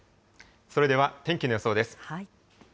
それでは、天気の予想です。